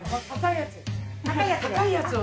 高いやつで。